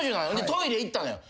トイレ行ったのよ。